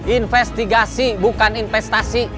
investigasi bukan investasi